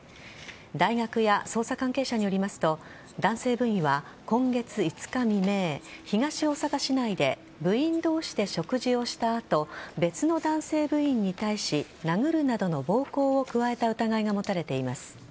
大学や捜査関係者によりますと男性部員は今月５日未明東大阪市内で部員同士で食事をした後別の男性部員に対し殴るなどの暴行を加えた疑いが持たれています。